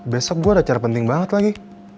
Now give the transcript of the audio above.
besok gue ada cara penting banget lagi